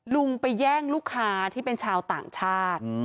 ลุงไปแย่งลูกค้าที่เป็นชาวต่างชาติ